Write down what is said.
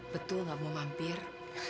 betul gak mau mampir